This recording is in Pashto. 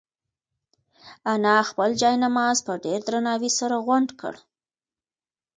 انا خپل جاینماز په ډېر درناوي سره غونډ کړ.